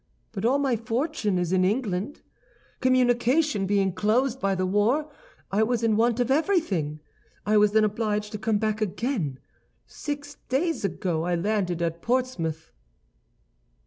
But all my fortune is in England. Communication being closed by the war, I was in want of everything. I was then obliged to come back again. Six days ago, I landed at Portsmouth."